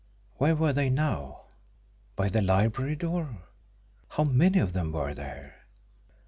Where were they now? By the library door? How many of them were there?